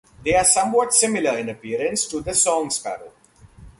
They are somewhat similar in appearance to the song sparrow.